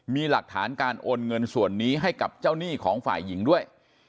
มีหลักฐานการโอนเงินส่วนนี้ให้กับเจ้าหนี้ของฝ่ายหญิงด้วย